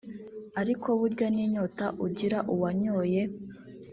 ariko burya n’inyota ugira uwanyoye